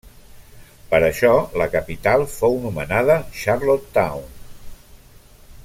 Per això, la capital fou nomenada Charlottetown.